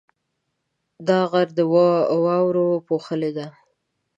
دا غر د واورو پوښلی دی.